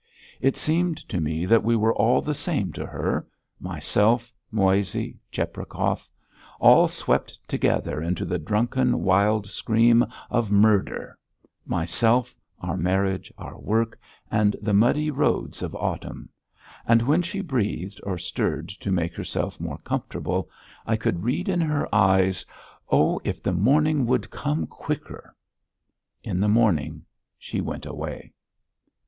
It seemed to me that we were all the same to her myself, Moissey, Cheprakov; all swept together into the drunken, wild scream of "murder" myself, our marriage, our work, and the muddy roads of autumn; and when she breathed or stirred to make herself more comfortable I could read in her eyes: "Oh, if the morning would come quicker!" In the morning she went away.